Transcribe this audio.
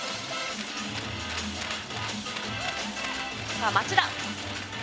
さあ町田。